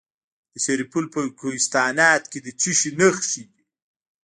د سرپل په کوهستانات کې د څه شي نښې دي؟